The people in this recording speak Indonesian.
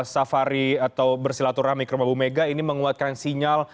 safari atau bersilaturahmi ke rumah bumega ini menguatkan sinyal